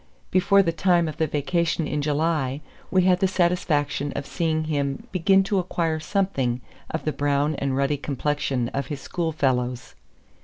Before the time of the vacation in July we had the satisfaction of seeing him begin to acquire something of the brown and ruddy complexion of his schoolfellows.